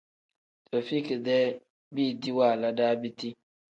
Taufik-dee biidi waala daa biti.